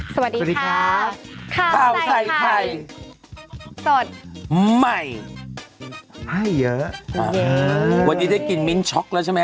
สวัสดีค่ะข้าวใส่ไข่สดใหม่ให้เยอะวันนี้ได้กินมิ้นช็อกแล้วใช่ไหม